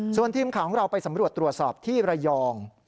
ส่วนทีมข่าวของเราไปสำรวจตรวจสอบที่ระยอง